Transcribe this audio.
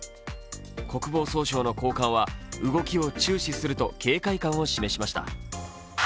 国防総省の高官は動きを注視すると警戒感を示しました。